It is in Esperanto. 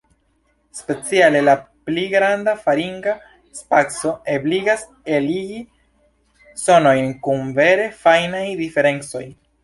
Speciale la pli granda faringa spaco ebligas eligi sonojn kun vere fajnaj diferencoj.